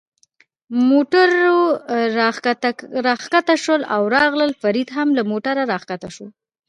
موټرو را کښته شول او راغلل، فرید هم له موټره را کښته شو.